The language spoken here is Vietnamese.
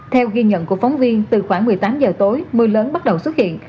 tối mưa lớn bắt đầu xuất hiện